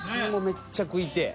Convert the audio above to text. めっちゃ食いてぇ